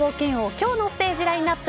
今日のステージラインアップ